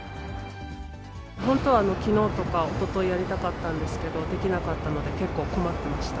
本当は、きのうとかおとといやりたかったんですけど、できなかったので、結構困ってました。